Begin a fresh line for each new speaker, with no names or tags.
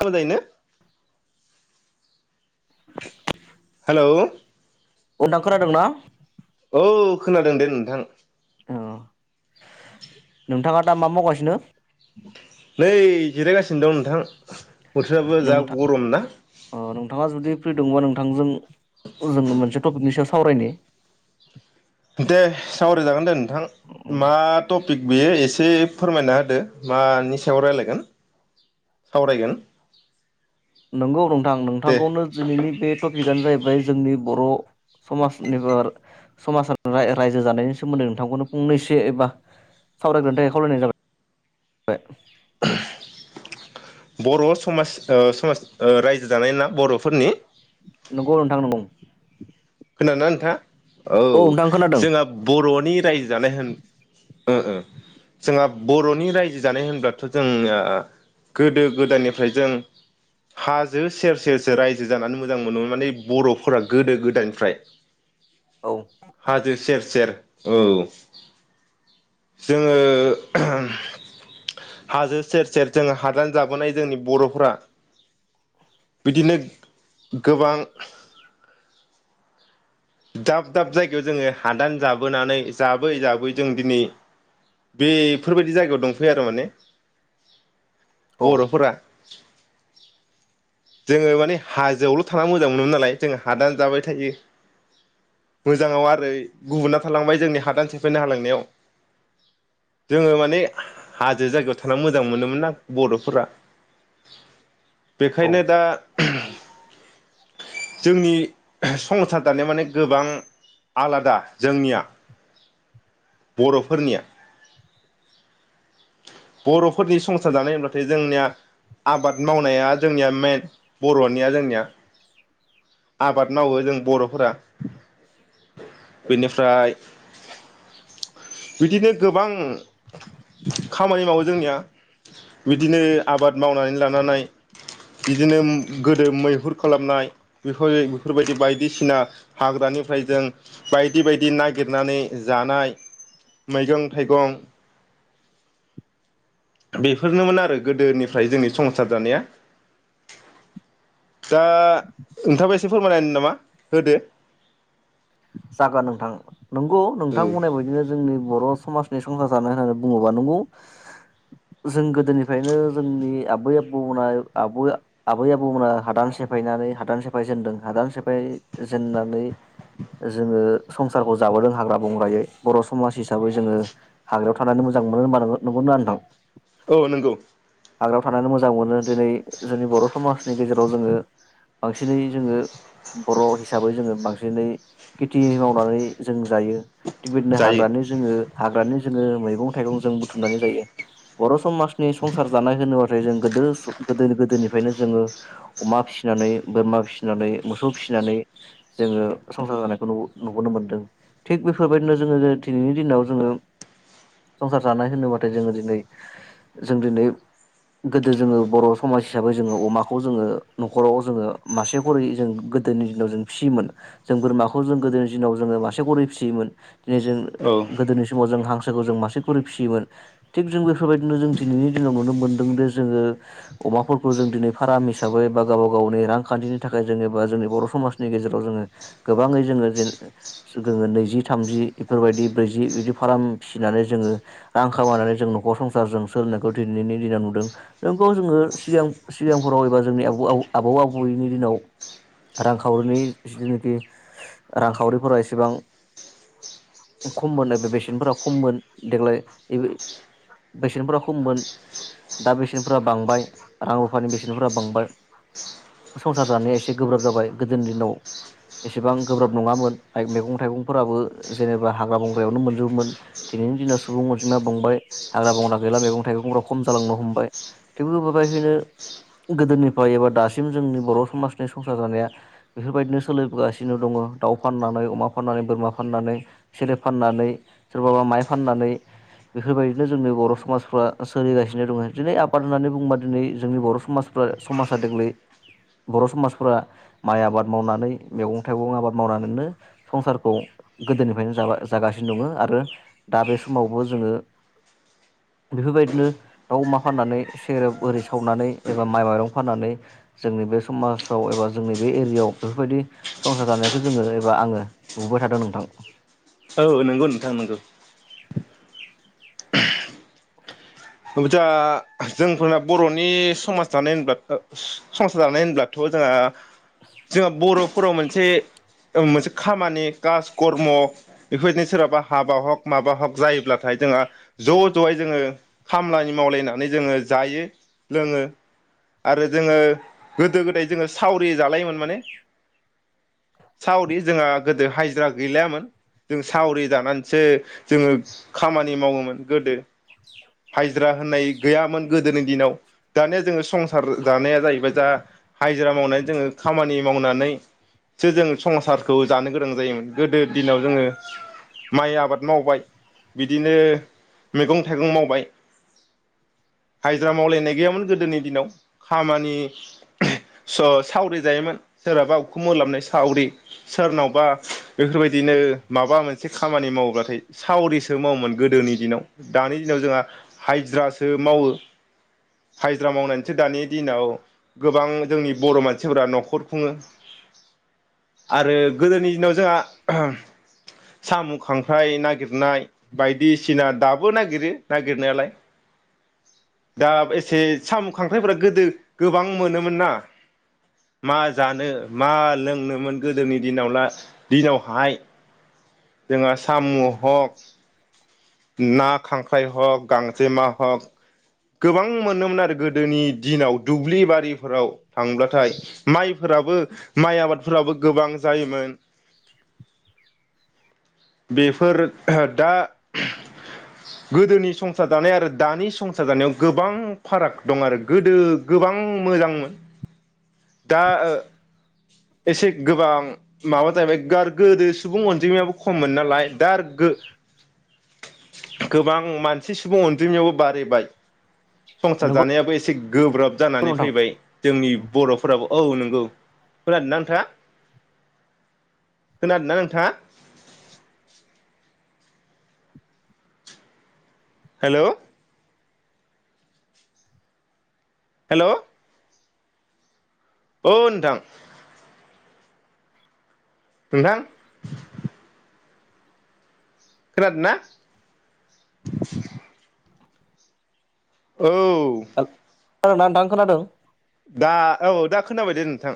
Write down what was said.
खानाजाहैनो hello
उदां खोनादोंना
औ खोनादों दे नोंथां
औ नोंथाङा दा मा मावगासिनो
ओइ जिरायगासिनो दं नोंथां बोथोराबो जा
नोंथां
गरम ना
अ नोंथाङा जुदि फ्रि दंबा नोंथांजों जों मोनसे तपिकनि सायाव सावरायनो
दे सावराय जागोन दोन [unintelligible] थिग बेयो एसे फोरमायना होदो मानि सायाव रायलायगोन सावरायगोन
नंगौ नोंथां
दे
नोंथांखौनो दिनैनि बे टपिकआनो जाहैबाय जोंनि बर समाजनिबार समाज राय रायजो जानायनि सोमोन्दै नोंथांखौनो फंनैसो एबा सावरायग्रोनो थाखाय खावलायनाय जाबाय बाय
बर समाज ओ समाज ओ रायजो जानाय ना बरफोरनि
नंगौ नोंथां नंगौ
खोनादों ना नोंथाङा औ
नोंथां खोनादों
जोंहा बरनि दायज जानाय होन ओ ओ जोंहा बरनि रायजो जानाय होनब्लाथ जों आ गोदो गोदायनिफ्राय जों हाजो सेर सेरसो रायजो जानानै मोजां मोनोमोन माने बरफोरा गोदो गोदाय फ्राय
औ
हाजो सेर सेर औ जोङो ओहोम हाजो सेर सेर जोङो हादान जाबोनाय जोंनि बरफोरा बिदिनो गोबां दाब दाब जायगायाव जोङो हादान जाबोनानै जाबै जाबै जों दिनै बेफोरबायदि जायगायाव दंफैयो आरो माने
औ
बरफोरा [inaudible] जोङो माने हाजोआवल थाना मोजां मोनोमोन नालाय जोंङ हादान जाबाय थायो मोजाङाव आरो गुबुना थालांबाय जोंनि हादान सेफायना हालांनायाव जोङो माने हाजो जायगायाव थाना मोजां मोनोमोन आरो बरफोरा बे
औ
ओंखायनो दा जोंनि संसार दानाया माने गोबां आलादा जोंनिया बरफोरनिया बरफोरनि संसार जानाय होनब्लाथाय जोंनिया आबाद मावनाया जोंनिया मेइन बरनिया जोंनिया आबाद मावो जों बरफोरा
[inaudible]
बेनिफ्राय बिदिनो गोबां खामानि मावो जोंनिया बिदिनो आबाद मावनानै लानानै बिदिनोम गोदो मैहुर खालामनाय बेफोर बेफोरबायदि बायदिसिना हाग्रानिफ्राय जों बायदि बायदि नागिरनानै जानाय मैगं थाइगं बेफोरनोमोन आरो गोदोनिफ्राय जोंनि संसार जानाया दा नोंथाङाबो एसे फोरमाय होनो नामा होदो
जागोन नोंथां नंगौ नोंथां
औ
बुंनाय बायदिनो जोंनि बर स समाजनि संसार जानाय होननानै बुङोबा नंगौ जों गोदोनिफ्रायनो जोंनि आबै आबौमोना आबै आबै आबौमोना हादान सेफायनानै हादान सेफाय जेनदों हादान सेफाय जेननानै जोङो संसारखौ जाबोदों हाग्रा बंग्रायै बर समाज हिसाबै जोङो हाग्रायाव थानानै मोजां मोनो होनबा नुगु नोंथां
नंगौ
हाग्रायाव थानानै मोजां मोनो दिनै जोंनि बर समाजनि गेजेराव जोङो बांसिनै जोङो बर हिसाबै जोङो बांसिनै खेथि मावनानै जों जायो थिगबायदिनो
जायो
हाग्रानो जोङो हाग्रानि जोङो मैगं थाइगं जों बुथुमनानै जायो बर' समाज नि संसार जानाय होनोबा फ्राय जों गोदो स गोदोनि गोदोनिफ्रायनो जोङो अमा फिसिनानै बोरमा फिसिनानै मोसौ फिसिनानै जोङो संसार जानाय फोरखौ नुबोनो मोनदों थिग बेफोरबायदिनो जोङो दिनैनि दिनाव जोङो संसार जानाय होनोबाथाय जों दिनै जों दिनै गोदो जोङो बर' समाज हिसाबै जोङो अमाखौ जोङो न'खराव जोङो मासे खरै जों गोदोनि दिनाव जों फिसियोमोन जों बोरमा खौ जो गोदोनि दिनाव जोङो मासे खरै फिसियोमोन । दिनै जों
औ
गोदोनि समाव जों हांसो जों मासे खरे फिसियोमोन थिग जों बेफोरबायदिनो जों दिनैनि दिनाव नुनो मोनदों दि जोङो अमाफोरखौ जों दिनै फार्म हिसाबै बा गावबा गावनि रांखान्थिनि थाखाय जेनेबा जोंनि बर' समाजनि गेजेराव जोङो गो बाङै जोङो जेन जोङो नैजि थामजि इफोरबायदि ब्रैजि बिदि फार्म फिसिनानै जोङो रां खामायनानै जों नखर संसारजों सोलिनायखौ दिनैनि दिनाव नुदों, नोंगौ जोङो सिगां सिगांफोराव एबा जोंनि आबौ आबौ आबैनि दिनाव रांखावरिनि जितुनोखि रांखावरिफोरा एसेबां खममोन नैबे बेसेनफोरा खममोन देग्लाय बेसेनफोरा खममोन दा बेसेनफोरा बांबाय रां रुफानि बेसेनफोरा बांबाय संसार जानाया एसे गोब्राब जाबाय गोदोनि दिनाव एसेबां गोब्राब नङामोन मैगं थाइगंफोराबो जेनेबा हाग्रा बंग्रायावनो मोनजोबोमोन । दिनैनि दिनाव सुबुं अनजिमा बंबाय हाग्रा बंग्रा गैला मैगं थाइगंफ्रा खम जालांनो हमबाय थेवबो बेबायदिनो गोदोनिफाय एबा दासिम जोंनि बर' समाजनि संसार जानाया बेफोरबायदिनो सोलिबोगासिनो। सिनो दङ दाउ फाननानै अमा फाननानै बोरमा फाननानै सेरेफ फाननानै सोरबाबा माइ फाननानै बेफोरबायदिनो जोंनि बर' समाजफ्रा सोलिगासिनो दङ । दिनै आबाद होननानै बुङोबा दिनै जोंनि बर' समाजफ्रा समाजा देग्लाय बर' समाजफ्रा माइ आबाद मावनानै मेगं थाइगं आबाद मावनानैनो संसारखौ गोदोनिफ्रायनो जाबो जागासिनो दङ आरो दा बे समावबो जोङो बेफोरबायदिनो दाउ अमा फाननानै सेरेब ओरै सावनानै एबा माइ माइरं फाननानै जोंनि बे समाजाव एबा जोंनि बे एरियायाव बेफोरबायदि संसार जानायखो जोङो एबा आङो नुबोबाय थादों नोंथां।
औ नोंगौ नोंथां नोंगौ जा जोंफोरना बर'नि समाज दानाय होनब्ला संसार जानाय होनब्लाथ' जोंआ जोंआ बर'फोराव मोनसे मोनसे खामानि कास कर्म बेफोरदिनो सोरहाबा हाबा हग माबा हक जायोब्लाथाय जोंहा ज' ज'यै जोङो खाम्लानि मावलायनानै जोङो जायो लोङो आरो जोङो गोदो गोदाय जोङो सावरि जालायोमोन माने सावरि जोंहा गोदो हाजिरा गैलायामोन जों सावरि जानानैसो जोङो खामानि मावोमोन गोदो हाजिरा होननाय गैयामोन गोदोनि दिनाव दानिया जोङो संसार जानाया जाहैबाय दा हाजिरा मावनानै जोङो खामानि मावनानैसो जों संसारखौ जानो गोनां जायोमोन गोदो दिनाव जोङो माइ आबाद मावबाय बिदिनो मैगं थाइगं मावबाय हाजिरा मावलायनाय गैयामोन गोदोनि दिनाव खामानि स-सावरि जायोमोन सोरहाबा उखुम उलाबनाय सावरि सोरनावबा बेफोरबायदिनो माबा मोनसे खामानि मावोब्लाथाय सावरिसो मावोमोन गोदोनि दिनाव दानि दिनाव जोंआ हाजिरासो मावो हाजिरा मावनानैसो दानि दिनाव गोबां जोंनि बर' मानसिफोरा न'खर खुङो आरो गोदोनि दिनाव जोंहा साम' खांख्राइ नागिर नाय बायदिसिना दाब बो नागिरो ना गिरनायालाय दा एसे सामु खांख्राइफोरा गोदो गोबां मोनोमोन ना, मा जानो मा लोंनोमोन गोदोनि दिनाव दिनावहाय जोंहा साम' हक ना खांख्राइ हक गांजेमा हक गोबां मोनोमोन आरो गोदोनि दिनाव दुब्लि बारिफोराव थांब्लाथाय माइफोराबो माइ आबादफोराबो गोबां जायोमोन बेफोर दा
[inaudible]
गोदोनि संसार जानाय आरो दानि संसार जानायाव गोबां फाराग दं आरो गोदो गोबां मोजांमोन दा एसे गोबां माबा जाहैबाय गोदो सुबुं अनजिमायाबो खममोन नालाय दा आर गो-गोबां मान सि सुबुं अनजिमायावबो बारिबाय संसार
नंगौ
जानायाबो एसे गोब्राब जानानै
नोंथां
फैबाय जोंनि बर'फोराबो औ नोंगौ खोनादोना नोंथाङा? खोनादोना नोंथाङा? हेलौ हेल' ओ नोंथां । नोंथां? खोनादोना? औ औ
खोनादोंना नोंथां खोनादों?
दा औ दा खोनाबाय दे नोंथां।